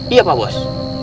iya pak bos